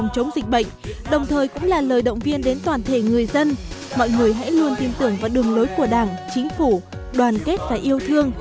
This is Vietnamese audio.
cho toàn thể người dân mọi người hãy luôn tin tưởng vào đường lối của đảng chính phủ đoàn kết và yêu thương